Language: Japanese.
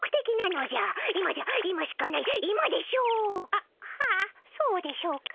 あっはあそうでしょうか。